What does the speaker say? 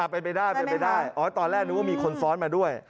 ไปได้ตอนแรกนึกว่ามีคนซ้อนมาด้วย